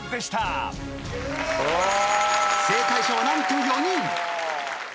正解者は何と４人。